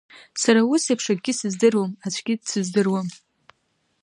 Сара ус еиԥш акгьы сыздыруам, аӡәгьы дсыздыруам.